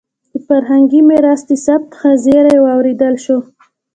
د فرهنګي میراث د ثبت ښه زېری واورېدل شو.